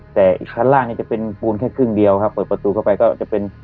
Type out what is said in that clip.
แต่อีกชั้นล่างนี้จะเป็นปูนแค่ครึ่งเดียวครับเปิดประตูเข้าไปก็จะเป็น